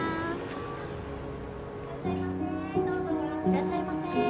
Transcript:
いらっしゃいませ。